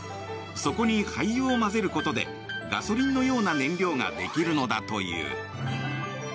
そこに廃油を混ぜることでガソリンのような燃料ができるのだという。